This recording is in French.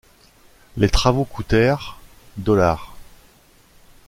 Les travaux coutèrent dollars.